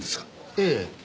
ええ。